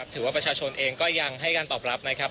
ถือว่าประชาชนเองก็ยังให้การตอบรับนะครับ